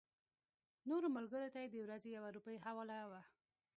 نورو ملګرو ته یې د ورځې یوه روپۍ حواله وه.